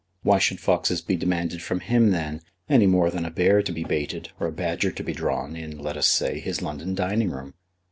Why should foxes be demanded from him then any more than a bear to be baited, or a badger to be drawn, in, let us say, his London dining room?